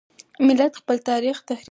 ملت خپل تاریخ تحریفوي.